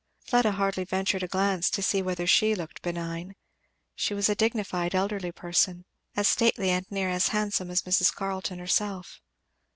Fleda hardly ventured a glance to see whether she looked benign. She was a dignified elderly person, as stately and near as handsome as Mrs. Carleton herself.